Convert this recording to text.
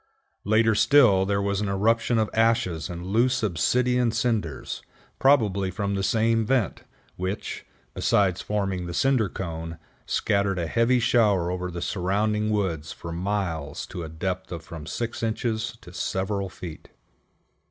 Later still there was an eruption of ashes and loose obsidian cinders, probably from the same vent, which, besides forming the Cinder Cone, scattered a heavy shower over the surrounding woods for miles to a depth of from six inches to several feet.